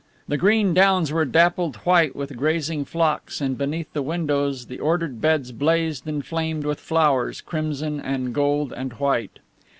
The green downs were dappled white with grazing flocks, and beneath the windows the ordered beds blazed and flamed with flowers, crimson and gold and white.